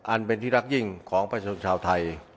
อันเป็นที่รักยิ่งของประชาชนชาวไทย